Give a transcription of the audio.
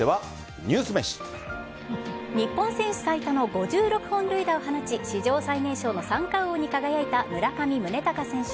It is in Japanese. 日本選手最多の５６本塁打を放ち史上最年少の三冠王に輝いた村上宗隆選手。